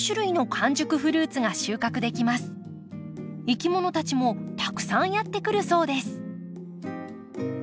いきものたちもたくさんやって来るそうです。